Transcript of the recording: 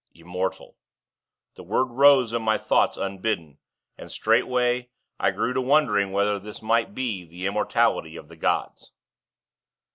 'Immortal!' the word rose in my thoughts unbidden; and, straightway, I grew to wondering whether this might be the immortality of the gods.